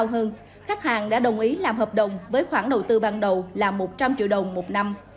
trước khi được nghe tư vấn khách hàng đã đồng ý làm hợp đồng với khoản đầu tư ban đầu là một trăm linh triệu đồng một năm